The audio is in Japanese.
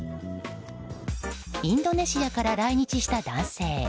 インドネシアから来日した男性。